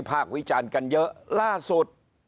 วิพากษ์วิจารณ์กันเยอะล่าสุด